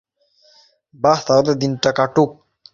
বাহ, তাহলে দিনটা ভালো কাটুক, থমাস।